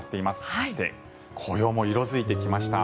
そして、紅葉も色付いてきました。